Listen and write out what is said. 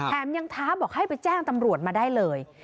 ยังท้าบอกให้ไปแจ้งตำรวจมาได้เลย